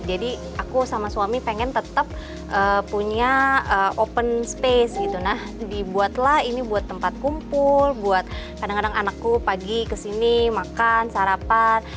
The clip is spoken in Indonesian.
aku sama suami pengen tetap punya open space gitu nah dibuatlah ini buat tempat kumpul buat kadang kadang anakku pagi kesini makan sarapan